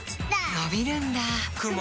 のびるんだ